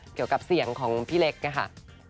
เกี่ยวกับเสียงของพี่เล็กนะคะ